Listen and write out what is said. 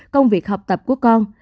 công việc học tập của con